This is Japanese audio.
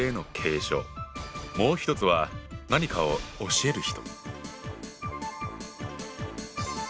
もう１つは「何かを教える人」。